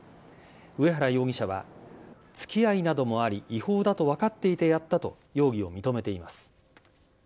上原容疑者は、つきあいなどもあり、違法だと分かっていてやったと容疑を認めています。